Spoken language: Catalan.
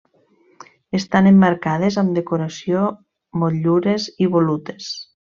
Estan emmarcades amb decoració motllures i volutes.